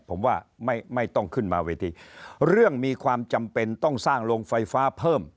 ผมว่าไม่ไม่ต้องขึ้นมาเวทีเรื่องมีความจำเป็นต้องสร้างโรงไฟฟ้าเพิ่ม